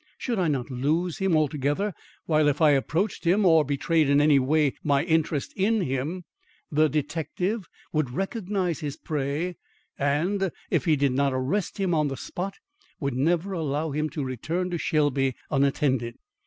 Should I not lose him altogether; while if I approached him or betrayed in any way my interest in him, the detective would recognise his prey and, if he did not arrest him on the spot, would never allow him to return to Shelby unattended.